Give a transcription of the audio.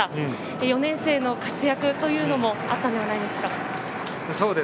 ４年生の活躍もあったのではないですか。